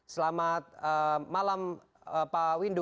selamat malam pak windu